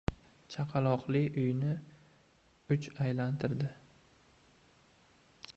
Chaqaloqli uyni uch aylantirdi.